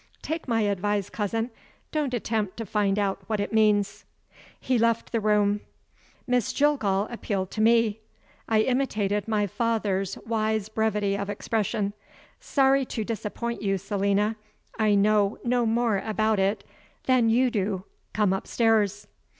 "Take my advice, cousin. Don't attempt to find out what it means." He left the room. Miss Jillgall appealed to me. I imitated my father's wise brevity of expression: "Sorry to disappoint you, Selina; I know no more about it than you do. Come upstairs."